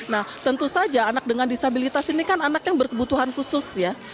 nah tentu saja anak dengan disabilitas ini kan anak yang berkebutuhan khusus ya